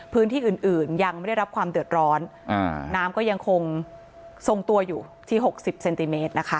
พื้นที่อื่นอื่นยังไม่ได้รับความเดือดร้อนอ่าน้ำก็ยังคงทรงตัวอยู่ที่หกสิบเซนติเมตรนะคะ